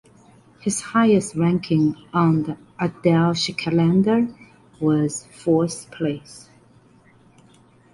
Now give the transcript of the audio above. His highest ranking on the Adelskalender was fourth place.